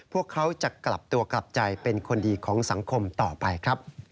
พวกเขาจะกลับตัวกลับใจเป็นคนดีของสังคมต่อไปครับ